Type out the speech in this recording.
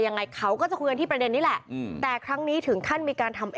ยังไงเขาก็จะคุยกันที่ประเด็นนี้แหละอืมแต่ครั้งนี้ถึงขั้นมีการทำ